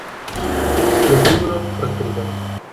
Vestíbulo Prosperidad